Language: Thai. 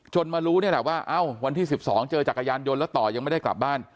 จนมารู้ว่าวันที่๑๒เจอจักรยานยนต์แล้วต่อยังไม่ได้กลับบ้าน